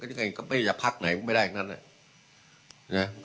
เขาไม่จะพักไหนมันก็ไม่ได้อย่างงั้นน่ะ